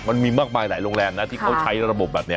มันมีมากมายหลายโรงแรมนะที่เขาใช้ระบบแบบนี้